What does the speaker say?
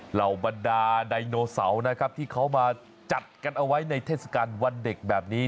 เหล่าบรรดาไดโนเสาร์นะครับที่เขามาจัดกันเอาไว้ในเทศกาลวันเด็กแบบนี้